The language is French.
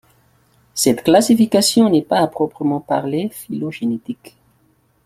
Cette classification n'est pas à proprement parler phylogénétique.